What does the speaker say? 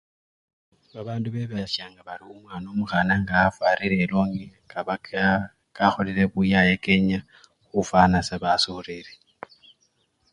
Babandu bebashanga bari omwana omukhana nga afwarire elongi kaba kaa! kakholile buyaye kenya khufwana sa basoreli.